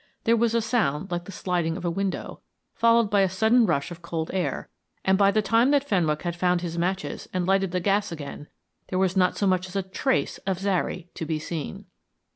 There was a sound like the sliding of a window, followed by a sudden rush of cold air, and by the time that Fenwick had found his matches and lighted the gas again there was not so much as a trace of Zary to be seen.